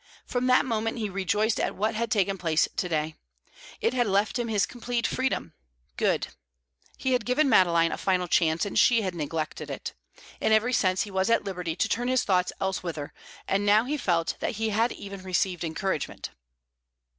From that moment he rejoiced at what had taken place to day. It had left him his complete freedom. Good; he had given Madeline a final chance, and she had neglected it. In every sense he was at liberty to turn his thoughts elsewhither, and now he felt that he had even received encouragement.